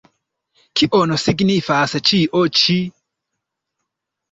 Kion signifas ĉio ĉi?